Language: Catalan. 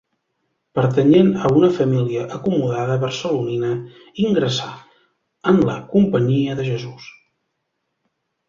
Pertanyent a una família acomodada barcelonina, ingressà en la Companyia de Jesús.